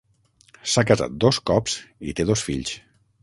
S'ha casat dos cops i té dos fills.